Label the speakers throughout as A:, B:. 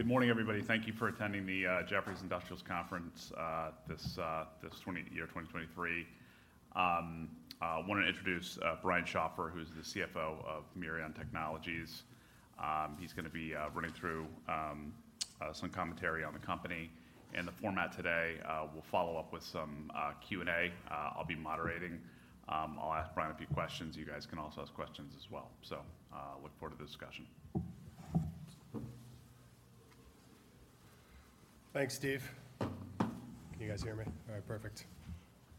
A: Good morning, everybody. Thank you for attending the Jefferies Industrials Conference this year, 2023. I wanna introduce Brian Schopfer, who's the CFO of Mirion Technologies. He's gonna be running through some commentary on the company and the format today. We'll follow up with some Q&A. I'll be moderating. I'll ask Brian a few questions. You guys can also ask questions as well. So, look forward to the discussion.
B: Thanks, Steve. Can you guys hear me? All right, perfect.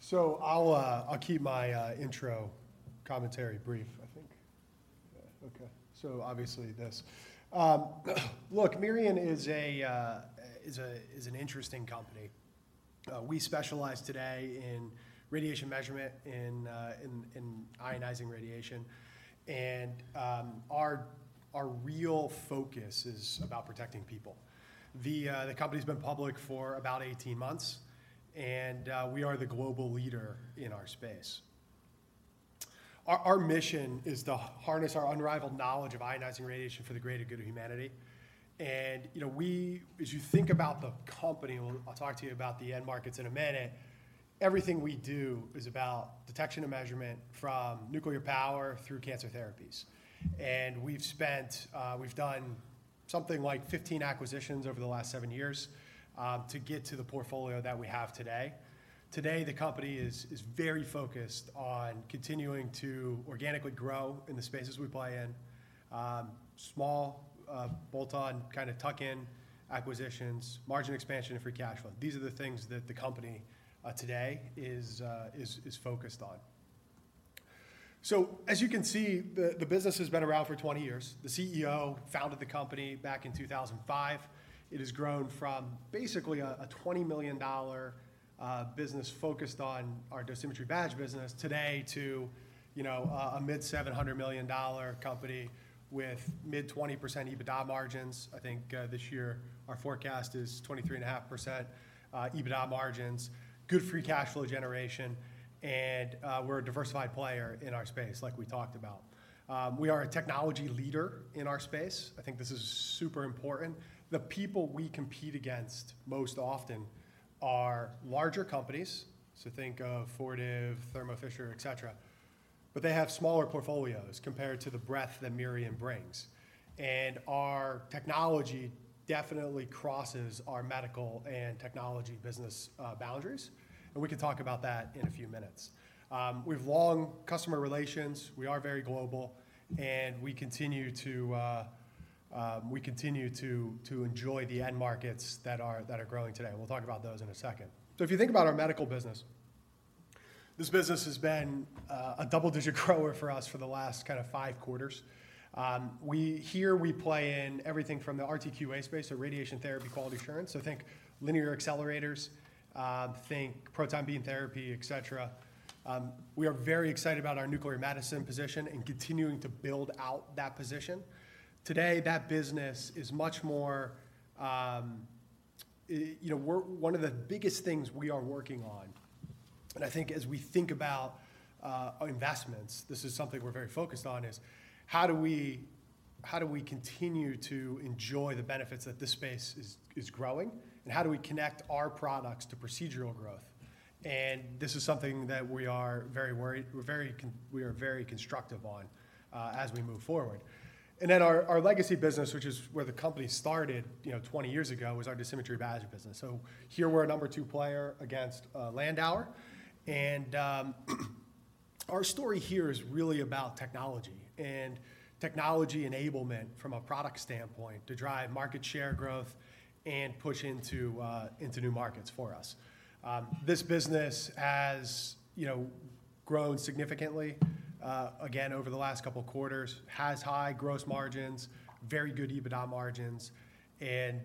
B: So I'll keep my intro commentary brief, I think. Okay. Look, Mirion is an interesting company. We specialize today in radiation measurement in ionizing radiation, and our real focus is about protecting people. The company's been public for about 18 months, and we are the global leader in our space. Our mission is to harness our unrivaled knowledge of ionizing radiation for the greater good of humanity. And, you know, as you think about the company, well, I'll talk to you about the end markets in a minute. Everything we do is about detection and measurement from nuclear power through cancer therapies. And we've spent, we've done something like 15 acquisitions over the last 7 years, to get to the portfolio that we have today. Today, the company is very focused on continuing to organically grow in the spaces we play in. Small, bolt-on, tuck-in acquisitions, margin expansion, and free cash flow. These are the things that the company today is focused on. So as you can see, the business has been around for 20 years. The CEO founded the company back in 2005. It has grown from basically a $20 million business focused on our dosimetry badge business today to, you know, a mid-$700 million company with mid-20% EBITDA margins. I think, this year, our forecast is 23.5% EBITDA margins, good free cash flow generation, and, we're a diversified player in our space, like we talked about. We are a technology leader in our space. I think this is super important. The people we compete against most often are larger companies, so think of Fortive, Thermo Fisher, et cetera, but they have smaller portfolios compared to the breadth that Mirion brings. Our technology definitely crosses our medical and technology business boundaries, and we can talk about that in a few minutes. We've long customer relations, we are very global, and we continue to enjoy the end markets that are growing today, and we'll talk about those in a second. So if you think about our medical business, this business has been a double-digit grower for us for the last five quarters. We here, we play in everything from the RTQA space, so radiation therapy, quality assurance, so think linear accelerators, think proton beam therapy, et cetera. We are very excited about our nuclear medicine position and continuing to build out that position. Today, that business is much more. You know, we're one of the biggest things we are working on, and I think as we think about our investments, this is something we're very focused on: How do we, how do we continue to enjoy the benefits that this space is growing? And how do we connect our products to procedural growth? And this is something that we are very constructive on as we move forward. And then our legacy business, which is where the company started, you know, 20 years ago, was our dosimetry badge business. So here, we're a number 2 player against Landauer. And our story here is really about technology and technology enablement from a product standpoint, to drive market share growth and push into new markets for us. This business has, you know, grown significantly again over the last couple of quarters, has high gross margins, very good EBITDA margins, and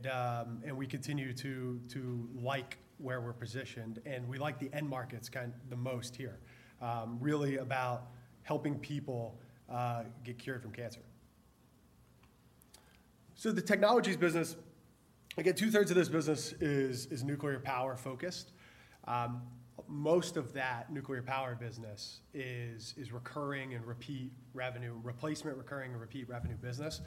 B: we continue to like where we're positioned, and we like the end markets the most here. Really about helping people get cured from cancer. So the technologies business, again, 2/3 of this business is nuclear power-focused. Most of that nuclear power business is recurring and repeat revenue, replacement, recurring, and repeat revenue business.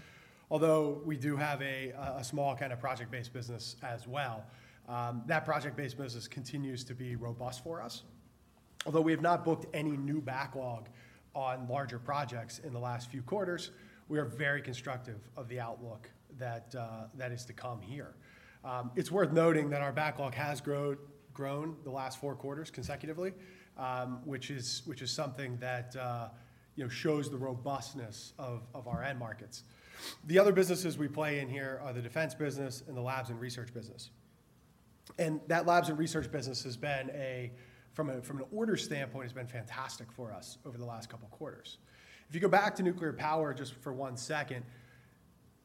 B: Although we do have a small project-based business as well. That project-based business continues to be robust for us. Although we have not booked any new backlog on larger projects in the last few quarters, we are very constructive of the outlook that is to come here. It's worth noting that our backlog has grown the last 4 quarters consecutively, which is something that you know shows the robustness of our end markets. The other businesses we play in here are the defense business and the labs and research business. That labs and research business has been, from an order standpoint, fantastic for us over the last couple of quarters. If you go back to nuclear power, just for one second.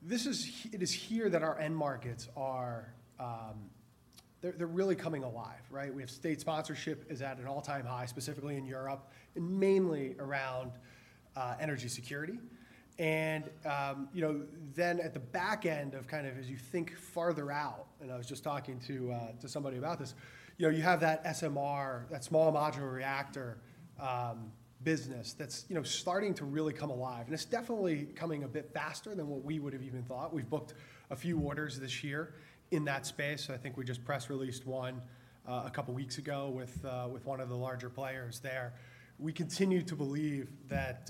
B: This is, it is here that our end markets are, they're really coming alive, right? We have state sponsorship is at an all-time high, specifically in Europe, and mainly around energy security. And, you know, then at the back end of as you think farther out, and I was just talking to somebody about this, you know, you have that SMR, that small modular reactor, business that's, you know, starting to really come alive. And it's definitely coming a bit faster than what we would've even thought. We've booked a few orders this year in that space. I think we just press released one, a couple of weeks ago with, with one of the larger players there. We continue to believe that,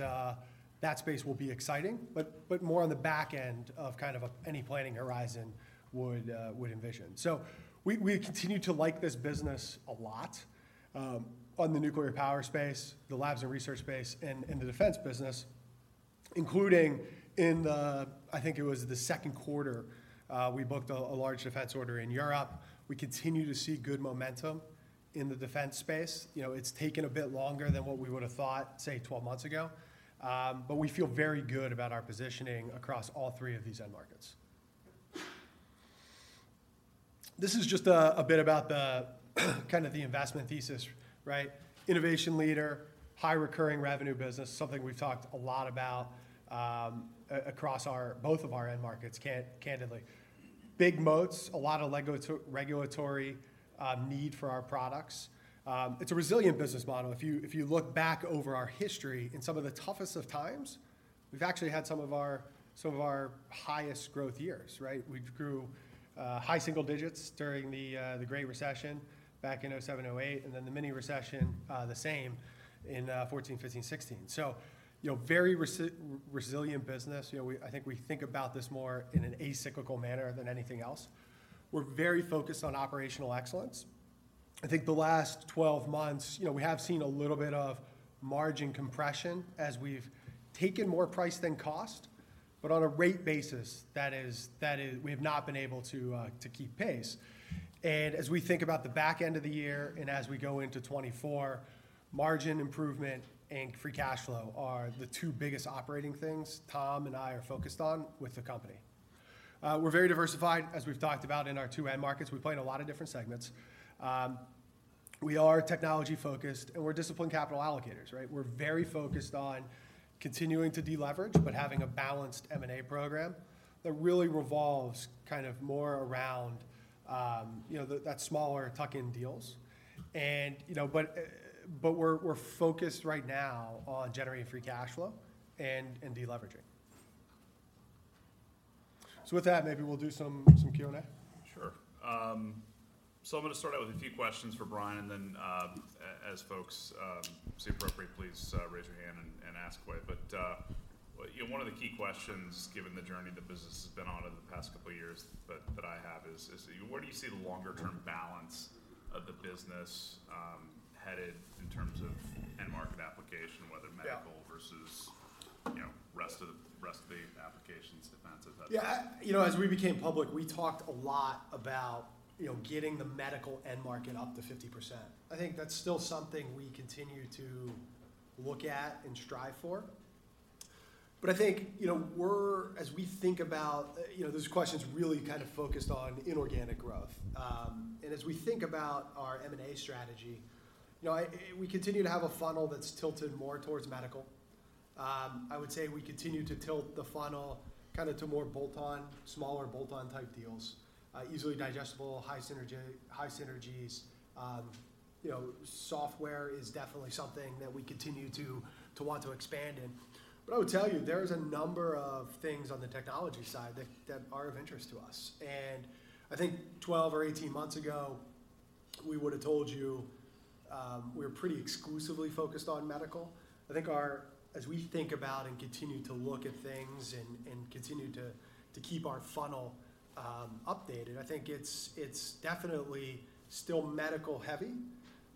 B: that space will be exciting, but, but more on the back end of a-- any planning horizon would, would envision. So we, we continue to like this business a lot, on the nuclear power space, the labs and research space, and, and the defense business, including in the-- I think it was the Q2, we booked a, a large defense order in Europe. We continue to see good momentum in the defense space. You know, it's taken a bit longer than what we would've thought, say, 12 months ago, but we feel very good about our positioning across all 3 of these end markets. This is just a bit about the the investment thesis, right? Innovation leader, high recurring revenue business, something we've talked a lot about across our both of our end markets, candidly. Big moats, a lot of regulatory need for our products. It's a resilient business model. If you look back over our history, in some of the toughest of times, we've actually had some of our highest growth years, right? We've grew high single digits during the Great Recession back in 2007, 2008, and then the mini recession, the same in 2014, 2015, 2016. So, you know, very resilient business. You know, I think we think about this more in an acyclical manner than anything else. We're very focused on operational excellence. I think the last 12 months, you know, we have seen a little bit of margin compression as we've taken more price than cost, but on a rate basis, we have not been able to keep pace. As we think about the back end of the year, and as we go into 2024, margin improvement and free cash flow are the 2 biggest operating things Tom and I are focused on with the company. We're very diversified, as we've talked about in our 2 end markets. We play in a lot of different segments. We are technology-focused, and we're disciplined capital allocators, right? We're very focused on continuing to deleverage, but having a balanced M&A program that really revolves more around, you know, the smaller tuck-in deals. You know, but we're focused right now on generating free cash flow and deleveraging. So with that, maybe we'll do some Q&A.
A: Sure. So I'm gonna start out with a few questions for Brian, and then, as folks see appropriate, please, raise your hand and ask away. But, well, you know, one of the key questions, given the journey the business has been on in the past couple of years, that I have is: Where do you see the longer-term balance of the business headed in terms of end market application, whether-
B: Yeah...
A: medical versus, you know, rest of the, rest of the applications, defensive, that sort of thing?
B: Yeah, you know, as we became public, we talked a lot about, you know, getting the medical end market up to 50%. I think that's still something we continue to look at and strive for. But I think, you know, we're-- as we think about, you know, this question's really focused on inorganic growth. And as we think about our M&A strategy, you know, I, we continue to have a funnel that's tilted more towards medical. I would say we continue to tilt the funnel kinda to more bolt-on, smaller bolt-on type deals, easily digestible, high synergi- high synergies. You know, software is definitely something that we continue to, to want to expand in. But I would tell you, there's a number of things on the technology side that, that are of interest to us. And I think 12 or 18 months ago, we would have told you, we're pretty exclusively focused on medical. I think as we think about and continue to look at things and continue to keep our funnel updated, I think it's definitely still medical-heavy,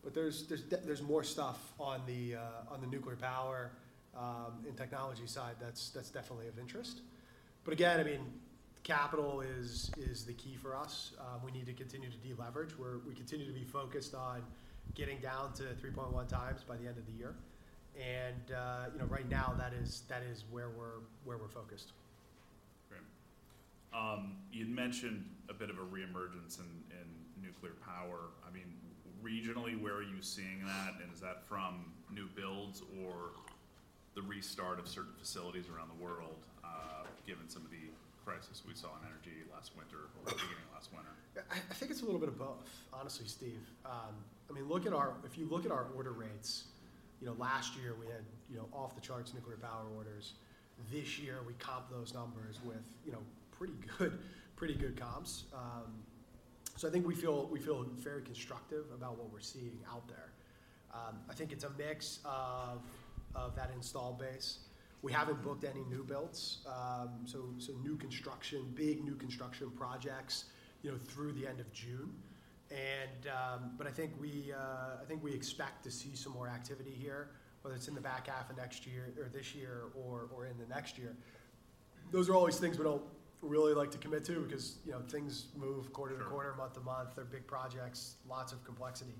B: but there's more stuff on the nuclear power and technology side that's definitely of interest. But again, I mean, capital is the key for us. We need to continue to deleverage, where we continue to be focused on getting down to 3.1 times by the end of the year. And you know, right now, that is where we're focused.
A: Great. You'd mentioned a bit of a reemergence in nuclear power. I mean, regionally, where are you seeing that? And is that from new builds or the restart of certain facilities around the world, given some of the crisis we saw in energy last winter or beginning of last winter?
B: Yeah, I think it's a little bit of both, honestly, Steve. I mean, if you look at our order rates, you know, last year we had, you know, off-the-charts nuclear power orders. This year, we comped those numbers with, you know, pretty good comps. So I think we feel very constructive about what we're seeing out there. I think it's a mix of that installed base. We haven't booked any new builds, so new construction, big new construction projects, you know, through the end of June. But I think we expect to see some more activity here, whether it's in the back half of next year or this year or in the next year. Those are always things we don't really like to commit to because, you know, things move quarter to-
A: Sure...
B: quarter, month-to-month. They're big projects, lots of complexity.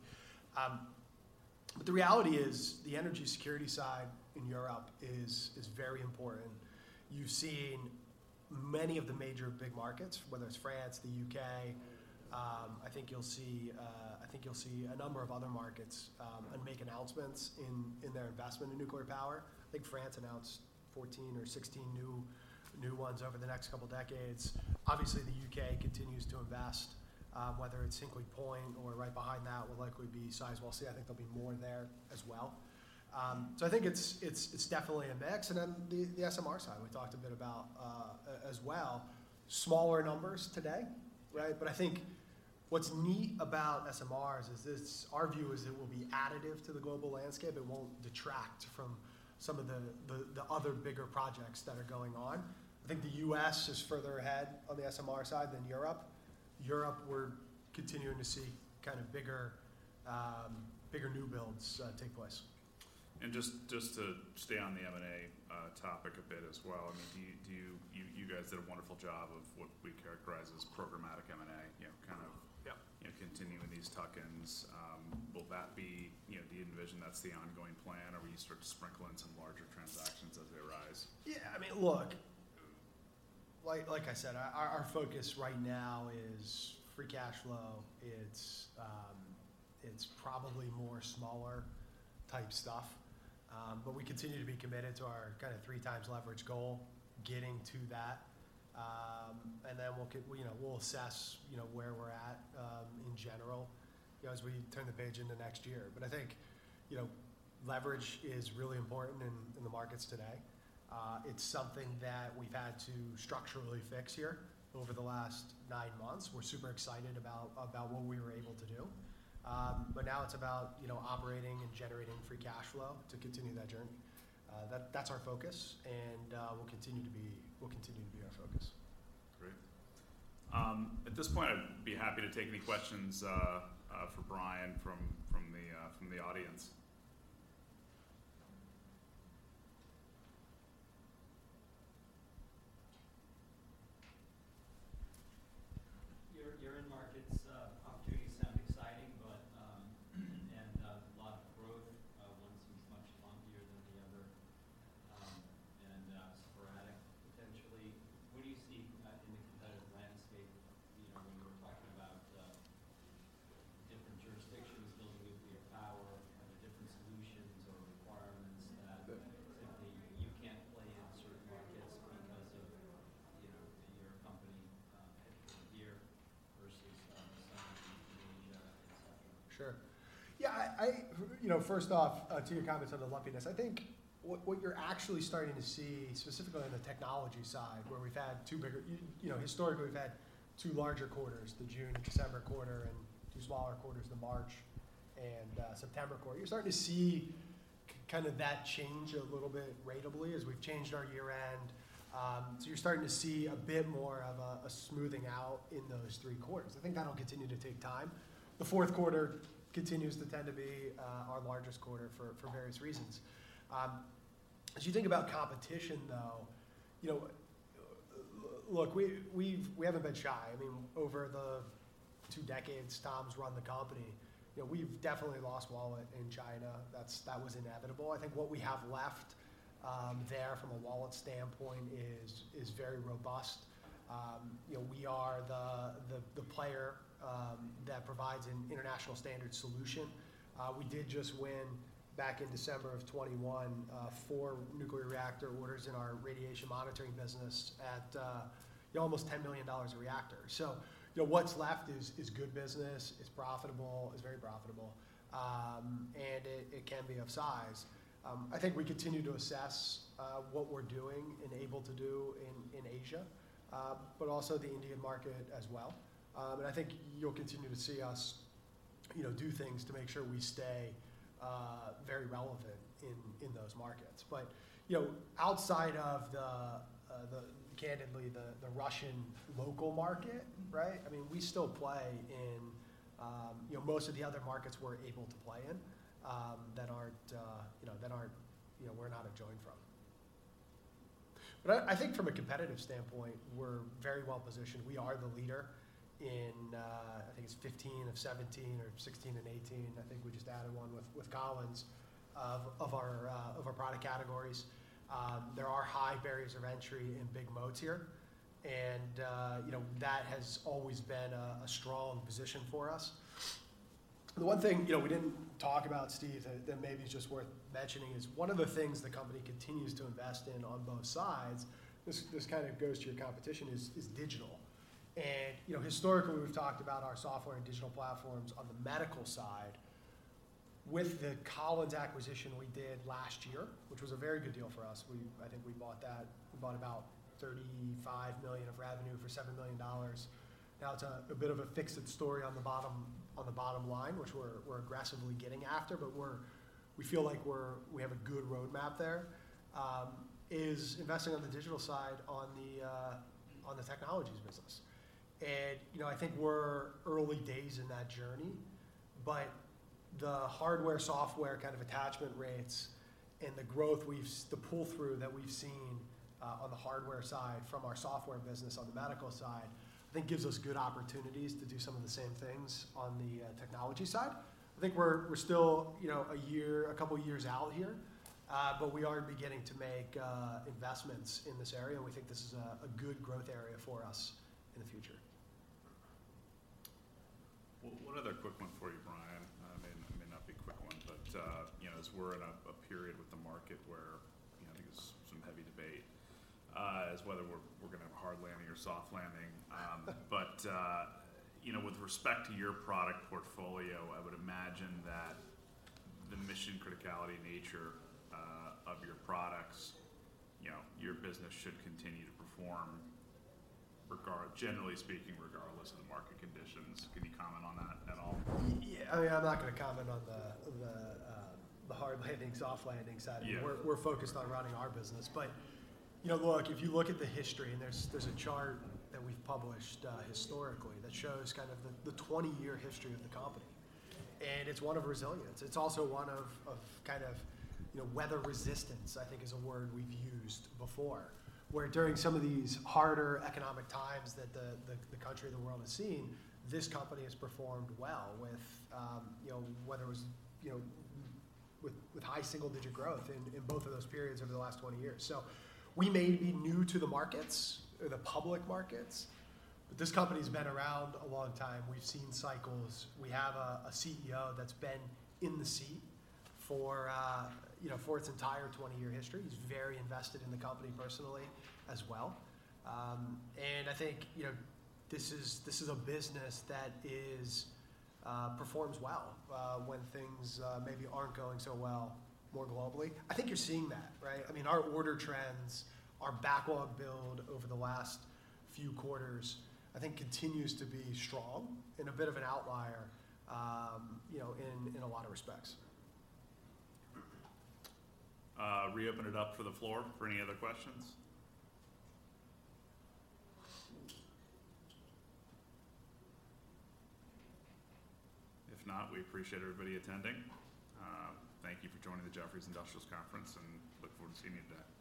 B: The reality is, the energy security side in Europe is, is very important. You've seen many of the major big markets, whether it's France, the UK, I think you'll see, I think you'll see a number of other markets, and make announcements in, in their investment in nuclear power. I think France announced 14 or 16 new, new ones over the next couple of decades. Obviously, the U.K. continues to invest, whether it's Hinkley Point or right behind that will likely be Sizewell C. I think there'll be more in there as well. I think it's, it's, it's definitely a mix. Then the, the SMR side, we talked a bit about, as well. Smaller numbers today, right? But I think what's neat about SMRs is this, our view is it will be additive to the global landscape. It won't detract from some of the other bigger projects that are going on. I think the U.S. is further ahead on the SMR side than Europe. Europe, we're continuing to see bigger new builds take place.
A: Just to stay on the M&A topic a bit as well. I mean, do you? You guys did a wonderful job of what we characterize as programmatic M&A. You know, kind of-
B: Yep.
A: - continuing these tuck-ins. Will that be... You know, do you envision that's the ongoing plan, or will you start to sprinkle in some larger transactions as they arise?
B: Yeah, I mean, look, like I said, our focus right now is free cash flow. It's probably more smaller type stuff, but we continue to be committed to our 3 times leverage goal, getting to that. And then we'll, you know, we'll assess where we're at in general as we turn the page into next year. But I think, you know, leverage is really important in the markets today. It's something that we've had to structurally fix here over the last nine months. We're super excited about what we were able to do. But now it's about operating and generating free cash flow to continue that journey. That's our focus, and will continue to be our focus.
A: Great. At this point, I'd be happy to take any questions for Brian from the audience.
B: The Q4 continues to tend to be our largest quarter for various reasons. As you think about competition, though, you know, look, we haven't been shy. I mean, over the 2 decades Tom's run the company, you know, we've definitely lost wallet in China. That's. That was inevitable. I think what we have left there from a wallet standpoint is very robust. You know, we are the player that provides an international standard solution. We did just win, back in December of 2021, 4 nuclear reactor orders in our radiation monitoring business at almost $10 million a reactor. So, you know, what's left is good business. It's profitable. It's very profitable, and it can be of size. I think we continue to assess what we're doing and able to do in Asia, but also the Indian market as well. And I think you'll continue to see us, you know, do things to make sure we stay very relevant in those markets. But, you know, outside of the candidly, the Russian local market, right? I mean, we still play in, you know, most of the other markets we're able to play in that aren't, you know, that aren't, you know, we're not excluded from. But I think from a competitive standpoint, we're very well positioned. We are the leader in, I think it's 15 of 17 or 16 and 18. I think we just added one with Collins of our product categories. There are high barriers of entry and big moats here, and, you know, that has always been a strong position for us. The one thing, you know, we didn't talk about, Steve, that maybe is just worth mentioning is one of the things the company continues to invest in on both sides. This kind of goes to your competition, is digital. And, you know, historically, we've talked about our software and digital platforms on the medical side. With the Collins acquisition we did last year, which was a very good deal for us, I think we bought that, we bought about $35 million of revenue for $7 million. Now, it's a bit of a fix-it story on the bottom line, which we're aggressively getting after, but we feel like we have a good roadmap there, is investing on the digital side, on the technologies business. You know, I think we're early days in that journey, but the hardware, software kind of attachment rates and the growth, the pull-through that we've seen on the hardware side from our software business on the medical side, I think gives us good opportunities to do some of the same things on the technology side. I think we're still, you know, a year, a couple of years out here, but we are beginning to make investments in this area, and we think this is a good growth area for us in the future.
A: Well, one other quick one for you, Brian. It may, it may not be a quick one, but you know, as we're in a period with the market where, you know, I think there's some heavy debate as whether we're going to have a hard landing or soft landing. But you know, with respect to your product portfolio, I would imagine that the mission criticality nature of your products, you know, your business should continue to perform generally speaking, regardless of the market conditions. Can you comment on that at all?
B: Yeah. I mean, I'm not going to comment on the hard landings, soft landing side.
A: Yeah.
B: We're focused on running our business. But, you know, look, if you look at the history, and there's a chart that we've published, historically, that shows kind of the 20-year history of the company, and it's one of resilience. It's also one of kind of, you know, weather resistance, I think is a word we've used before. Where during some of these harder economic times that the country or the world has seen, this company has performed well with, you know, whether it was, you know, with high single-digit growth in both of those periods over the last 20 years. So we may be new to the markets or the public markets, but this company's been around a long time. We've seen cycles. We have a CEO that's been in the seat for, you know, for its entire 20-year history. He's very invested in the company personally as well. I think, you know, this is a business that is performs well when things maybe aren't going so well more globally. I think you're seeing that, right? I mean, our order trends, our backlog build over the last few quarters, I think continues to be strong and a bit of an outlier, you know, in a lot of respects.
A: Re-open it up for the floor for any other questions. If not, we appreciate everybody attending. Thank you for joining the Jefferies Industrials Conference, and look forward to seeing you today. Thanks.